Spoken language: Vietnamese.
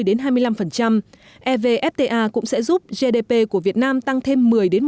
evfta cũng sẽ giúp gdp của việt nam tăng thêm một mươi một mươi